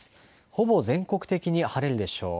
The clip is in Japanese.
ほぼ全国的に晴れるでしょう。